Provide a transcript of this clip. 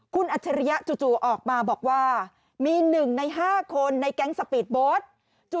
คุณอัจฉริยะจู่ออกมาบอกว่ามีหนึ่งในห้าคนในแก๊งสปีดโบสต์